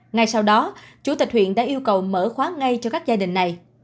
ngay sau đó chủ tịch huyện đã yêu cầu mở khóa ngay cho các gia đình này